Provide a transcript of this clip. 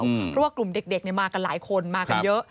เพราะว่ากลุ่มเด็กมากันหลายคนมากันเยอะ